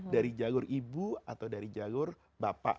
dari jalur ibu atau dari jalur bapak